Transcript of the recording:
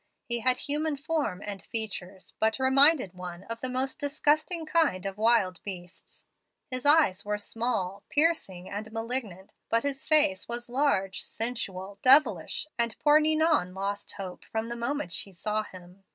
He had human form and features, but reminded one of the more disgusting kind of wild beasts. His eyes were small, piercing, and malignant, but his face was large, sensual, devilish, and poor Ninon lost hope from the moment she saw him.